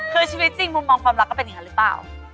คือชีวิตจริงมุมมองความรักก็เป็นอย่างนั้นหรือเปล่า